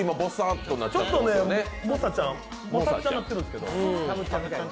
ちょっとね、もさっちゃんになってるんですけども。